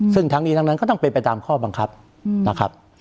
ซึ่งทั้งนี้ทั้งนั้นก็ต้องเป็นไปตามข้อบังคับนะครับ